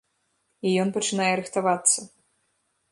І ён пачынае рыхтавацца.